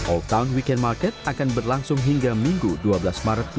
all town weekend market akan berlangsung hingga minggu dua belas maret dua ribu dua puluh